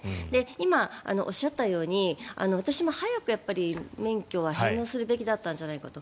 今、おっしゃったように私も早く免許は返納するべきだったんじゃないかと。